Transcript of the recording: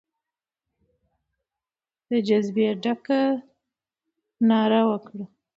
د جذبې ډکه ناره وکړه.